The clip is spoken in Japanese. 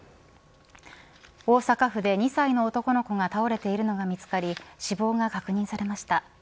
大阪府で２歳の男の子が倒れているのが見つかり死亡が確認されました。